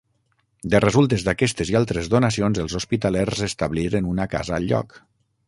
De resultes d'aquestes i d'altres donacions, els hospitalers establiren una casa al lloc.